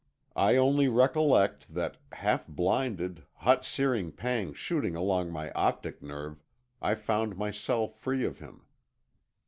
I only recollect that, half blinded, hot searing pangs shooting along my optic nerve, I found myself free of him.